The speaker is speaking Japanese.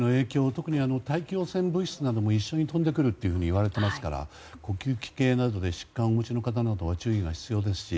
特に大気汚染物質なども一緒に飛んでくるといわれていますから呼吸器系などの疾患をお持ちの方々は注意が必要ですし。